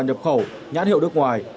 nhập khẩu nhãn hiệu nước ngoài